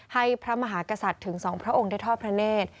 พระมหากษัตริย์ถึงสองพระองค์ได้ทอดพระเนธ